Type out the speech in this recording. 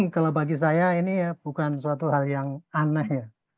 kalau bagi saya ini bukan suatu hal yang aneh ya